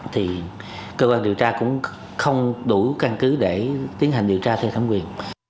thì cơ quan điều tra cũng không đủ căn cứ để tiến hành điều tra theo thẩm quyền